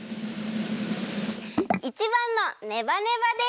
１ばんのネバネバでした！